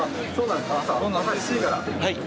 はい。